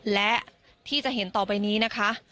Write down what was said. และที่จะเห็นต่อไปนี้นะคะ